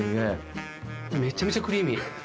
めちゃめちゃクリーミー。